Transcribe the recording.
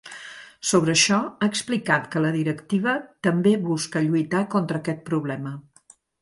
Sobre això, ha explicat que la directiva també busca lluitar contra aquest problema.